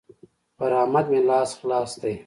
پر احمد مې لاس خلاص دی.